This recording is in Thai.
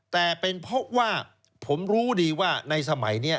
แต่เป็นเพราะว่าผมรู้ดีว่าในสมัยนี้